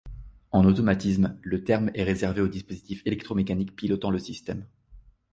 En automatisme le terme est réservé aux dispositifs électromécaniques pilotant le système.